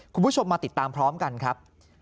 คุณผู้ชมมาติดตามพร้อมกันครับ